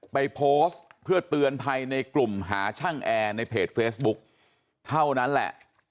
ไปโพสต์เพื่อเตือนภัยในกลุ่มหาช่างแอร์ในเพจเฟซบุ๊กเท่านั้นแหละ